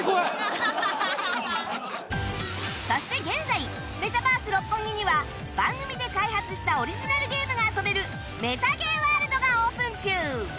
そして現在メタバース六本木には番組で開発したオリジナルゲームが遊べるメタゲーワールドがオープン中